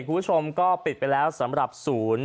คุณผู้ชมก็ปิดไปแล้วสำหรับศูนย์